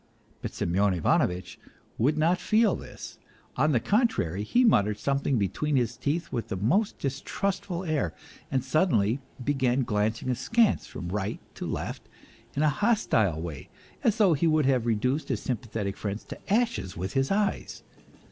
But Semyon Ivanovitch would not feel this : on the contrary he muttered sometliing between his teeth with the most distrustful air, and suddenly began glancing askance from right to left in a hostile way, as though he would have reduced his sjTnpathetic friends to ashes with his eyes.